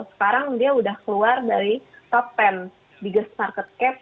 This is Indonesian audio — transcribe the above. sekarang dia udah keluar dari top pen biggest market cap